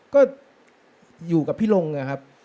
ก็อยู่กับพี่ลงนะครับ